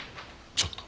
ちょっと。